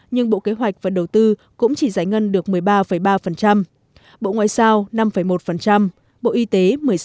nhưng bộ kế hoạch và đầu tư cũng chỉ giải ngân được một mươi ba ba bộ ngoại giao năm một bộ y tế một mươi sáu